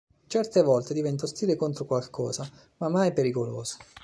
Certe volte diventa ostile contro qualcosa, ma mai pericoloso.